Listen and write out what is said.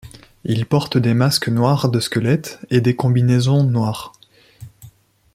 Ils portent des masques noir de squelette et des combinaisons noires.